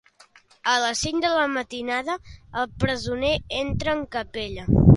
A les cinc de la matinada, el presoner entra en capella.